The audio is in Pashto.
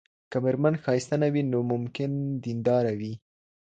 که ميرمن ښايسته نه وي، نو ممکن دينداره وي